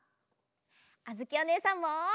あづきおねえさんも。